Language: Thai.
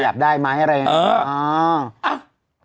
ขยับได้ไหมอะไรอย่างเงี้ย